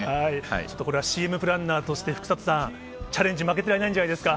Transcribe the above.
ちょっとこれはＣＭプランナーとして福里さん、チャレンジ、負けてられないんじゃないですか？